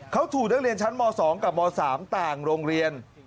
เขาถูกนักเรียนชั้นม๒กับม๓ต่างโรงเรียน